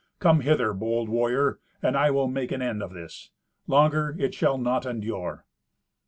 Come hither, bold warrior, and I will make an end of this. Longer it shall not endure."